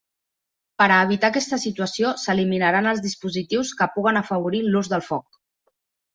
Per a evitar aquesta situació, s'eliminaran els dispositius que puguen afavorir l'ús del foc.